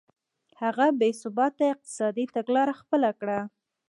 هغه بې ثباته اقتصادي تګلاره خپله کړه.